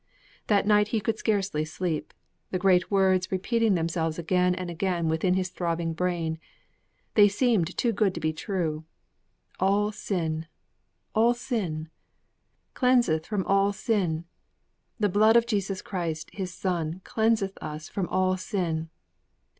That night he could scarcely sleep; the great words repeated themselves again and again within his throbbing brain; they seemed too good to be true. 'All sin! All sin!' 'Cleanseth from all sin!' '_The blood of Jesus Christ, His Son, cleanseth us from all sin.